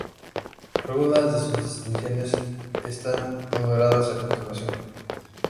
Algunas de sus distinciones están numeradas a continuación